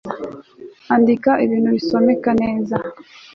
andika ibintu bisomeka neza